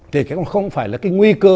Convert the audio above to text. thì không phải là cái nguy cơ